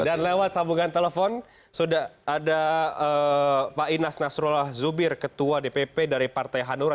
dan lewat sambungan telepon sudah ada pak inas nasrullah zubir ketua dpp dari partai hanura